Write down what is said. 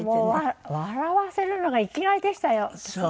笑わせるのが生きがいでしたよね。